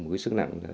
một sức nặng như vậy